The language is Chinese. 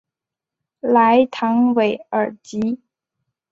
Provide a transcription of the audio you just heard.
莱唐韦尔吉。